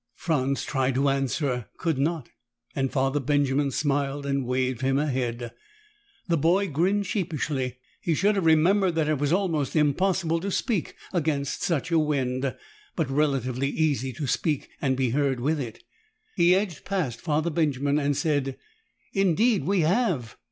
Franz tried to answer, could not, and Father Benjamin smiled and waved him ahead. The boy grinned sheepishly. He should have remembered that it is almost impossible to speak against such a wind but relatively easy to speak, and be heard, with it. He edged past Father Benjamin and said, "Indeed we have."